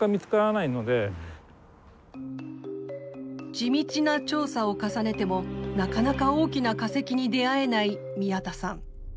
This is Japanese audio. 地道な調査を重ねてもなかなか大きな化石に出会えない宮田さん。